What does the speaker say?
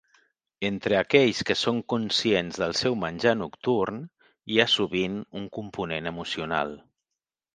Entre aquells que són conscients del seu menjar nocturn, hi ha sovint un component emocional.